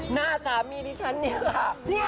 หน้าสามีที่ฉันเนี่ยล่ะ